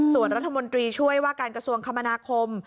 ส่วนรัฐมนตรีช่วยว่าการกระทรวงคมนาคม